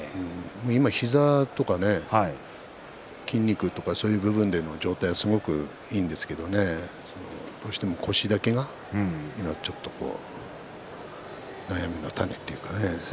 今、膝とか筋肉とかそういう部分では状態がすごくいいんですけれどもねどうしても腰だけが今ちょっと悩みの種というかね